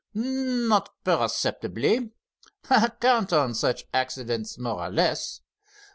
"Not perceptibly. I count on such accidents, more or less.